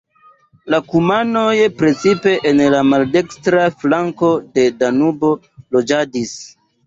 La kumanoj precipe en la maldekstra flanko de Danubo loĝadis.